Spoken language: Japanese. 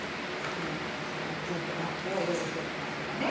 なんとこちらにちょっとラップを用意しときますわね。